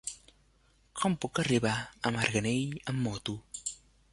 Com puc arribar a Marganell amb moto?